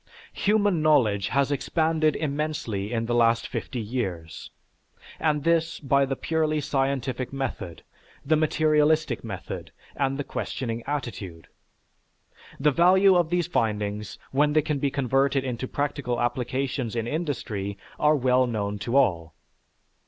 Human knowledge has expanded immensely in the last fifty years, and this by the purely scientific method, the materialistic method, and the questioning attitude. The value of these findings when they can be converted into practical applications in industry are well known to all.